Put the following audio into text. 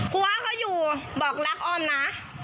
หัวเขาอยู่บอกรักอ้อมนะ